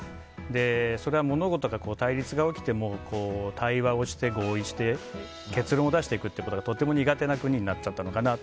それは物事が対立が起きても対話をして合意して結論を出していくということがとても苦手な国になっちゃったのかなと。